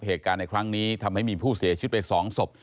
เหตุการณ์ในครั้งนี้ทำให้มีผู้เสียชีวิตไป๒ศพ